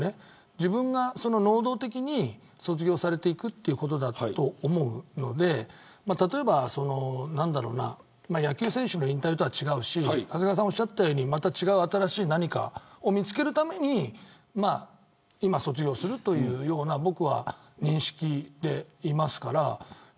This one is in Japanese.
自分が能動的に卒業されていくということだったと思うので例えば野球選手の引退とは違うし長谷川さんが言ったように新しい何かを見つけるために今、卒業するというように私は認識しています。